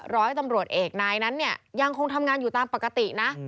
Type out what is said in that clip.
ร้อยตำรวจเอกนายนั้นเนี่ยยังคงทำงานอยู่ตามปกตินะ